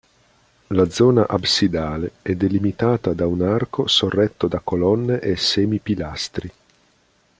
La zona absidale è delimitata da un arco sorretto da colonne e semipilastri.